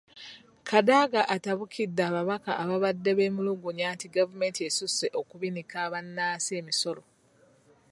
Kadaga atabukidde ababaka ababadde beemulugunya nti gavumenti esusse okubinika bannansi emisolo.